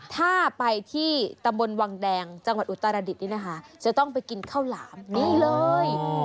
ถ้าไปที่ตำบลวังแดงจังหวัดอุตรดิษฐ์นี่นะคะจะต้องไปกินข้าวหลามนี่เลย